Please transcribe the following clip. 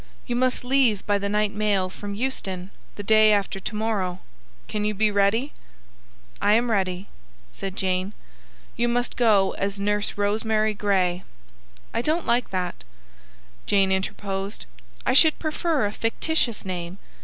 "You must leave by the night mail from Euston, the day after to morrow. Can you be ready?" "I am ready," said Jane. "You must go as Nurse Rosemary Gray." "I don't like that," Jane interposed. "I should prefer a fictitious name.